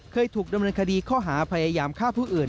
เคยถูกดำเนินคดีข้อหาพยายามฆ่าผู้อื่น